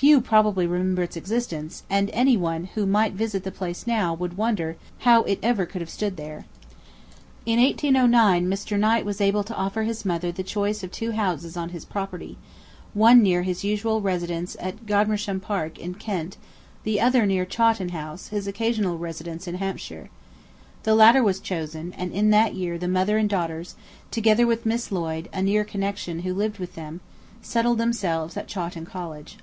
Few probably remember its existence; and any one who might visit the place now would wonder how it ever could have stood there. In 1809 Mr. Knight was able to offer his mother the choice of two houses on his property; one near his usual residence at Godmersham Park in Kent; the other near Chawton House, his occasional residence in Hampshire. The latter was chosen; and in that year the mother and daughters, together with Miss Lloyd, a near connection who lived with them, settled themselves at Chawton Cottage.